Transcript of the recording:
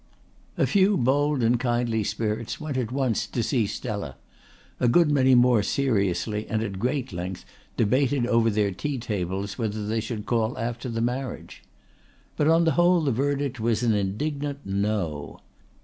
A few bold and kindly spirits went at once to see Stella; a good many more seriously and at great length debated over their tea tables whether they should call after the marriage. But on the whole the verdict was an indignant No.